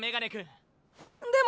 でも。